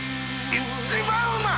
１番うまい！